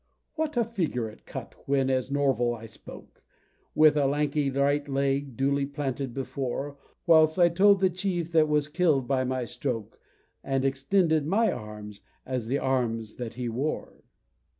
What a figure it cut when as Norval I spoke! With a lanky right leg duly planted before; Whilst I told of the chief that was kill'd by my stroke, And extended my arms as "the arms that he wore!"